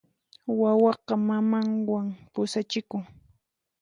Wawaqa mamanwan pusachikun.